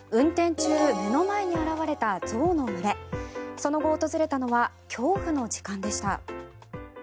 その後、訪れたのは恐怖の時間でした。